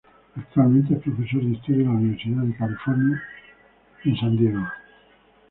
Actualmente es profesor de historia en la Universidad de California en San Diego.